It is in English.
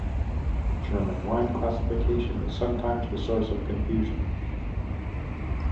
German wine classification is sometimes the source of confusion.